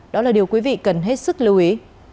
đó là điều quý vị cần hết sức lưu ý